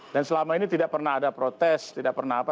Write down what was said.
dan selama ini tidak pernah ada protes tidak pernah apa